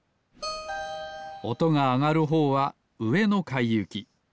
おとがあがるほうはうえのかいゆき。